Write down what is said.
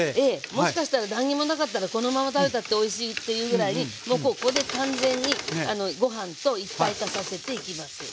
もしかしたら何にもなかったらこのまま食べたっておいしいっていうぐらいもうここで完全にご飯と一体化させていきます。